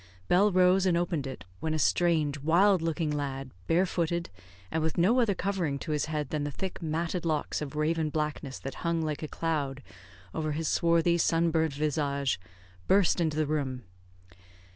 Bell rose and opened it, when a strange, wild looking lad, barefooted, and with no other covering to his head than the thick, matted locks of raven blackness that hung like a cloud over his swarthy, sunburnt visage, burst into the room.